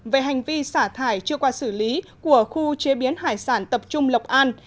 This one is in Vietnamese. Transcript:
về hành vi xả thải chưa qua xử lý của khu chế biến hải sản tập trung lộc an